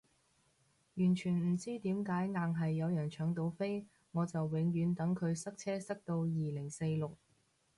完全唔知點解硬係有人搶到飛，我就永遠等佢塞車塞到二零四六